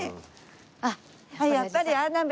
ああやっぱり！